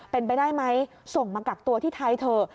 เป็นไปได้ไหมส่งมากักตัวที่ไทยเถอะ